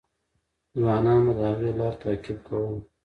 ځوانان به د هغې لار تعقیب کوله.